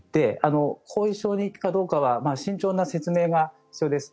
後遺症にいくかどうかは慎重な説明が必要です。